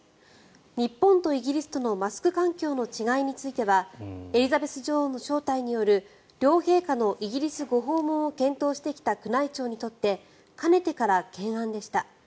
日本とイギリスとのマスク環境の違いについてはエリザベス女王の招待による両陛下のイギリスご訪問を検討してきた宮内庁にとってかねてから懸案でした。